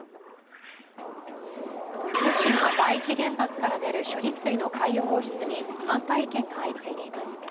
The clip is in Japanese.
福島第一原発から出る処理水の海洋放出に反対意見が相次いでいます。